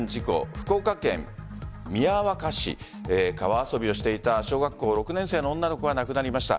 福岡県宮若市川遊びをしていた小学校６年生の女の子が亡くなりました。